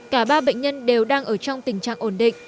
cả ba bệnh nhân đều đang ở trong tình trạng ổn định